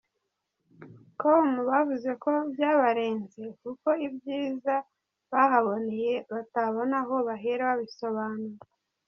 com bavuze ko byabarenze kuko ibyiza bahaboneye batabona aho bahera babisobanura.